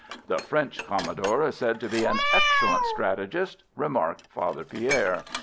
"The French commodore is said to be an excellent strategist," remarked Father Pierre.